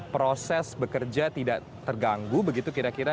proses bekerja tidak terganggu begitu kira kira